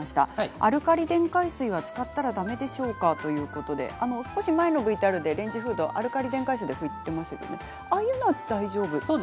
アルカリ電解水は使ったらだめでしょうかということで少し前のＶＴＲでレンジフードアルカリ電解水で拭いていましたね。